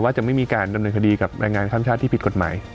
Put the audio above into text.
จะไม่มีการดำเนินคดีกับแรงงานข้ามชาติที่ผิดกฎหมาย